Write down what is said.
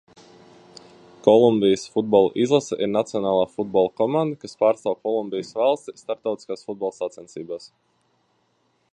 Kolumbijas futbola izlase ir nacionālā futbola komanda, kas pārstāv Kolumbijas valsti starptautiskās futbola sacensībās.